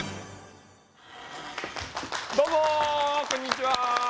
どうもこんにちは。